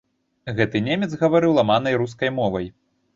Гэты немец гаварыў ламанай рускай мовай.